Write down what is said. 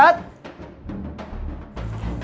loh duduk di sana aja